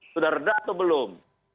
sudah reda atau belum